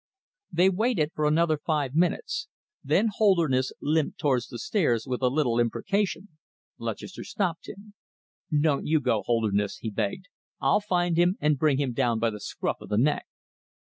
They waited for another five minutes. Then Holderness limped towards the stairs with a little imprecation. Lutchester stopped him. "Don't you go, Holderness," he begged. "I'll find him and bring him down by the scruff of the neck."